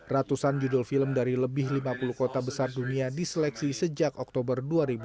ratusan judul film dari lebih lima puluh kota besar dunia diseleksi sejak oktober dua ribu dua puluh